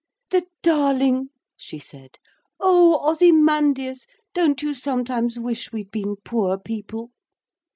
'The darling!' she said. 'Oh, Ozymandias, don't you sometimes wish we'd been poor people?'